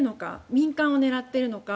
民間を狙っているのか